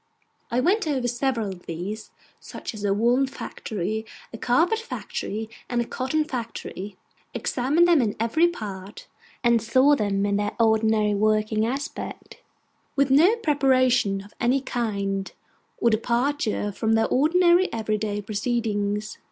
I went over several of these; such as a woollen factory, a carpet factory, and a cotton factory: examined them in every part; and saw them in their ordinary working aspect, with no preparation of any kind, or departure from their ordinary everyday proceedings.